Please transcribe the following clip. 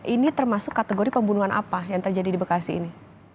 ini termasuk kategori pembunuhan apa yang terjadi di bekasi ini